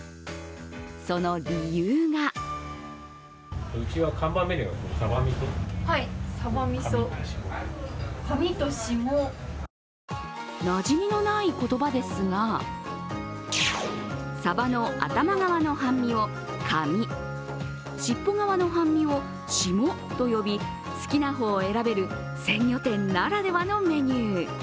その理由がなじみのない言葉ですがさばの頭側の半身をカミ、尻尾側の半身をシモと呼び、好きな方を選べる鮮魚店ならではのメニュー。